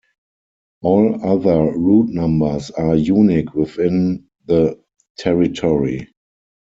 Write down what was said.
All other route numbers are unique within the territory.